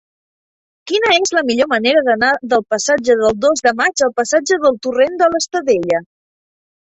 Quina és la millor manera d'anar del passatge del Dos de Maig al passatge del Torrent de l'Estadella?